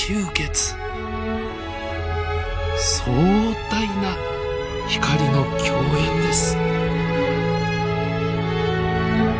壮大な光の競演です。